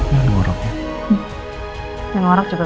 yang ngorok juga kamu mas